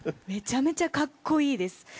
めちゃめちゃかっこいいです。